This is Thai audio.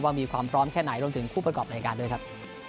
มีความพร้อมแค่ไหนรวมถึงผู้ประกอบรายการด้วยครับ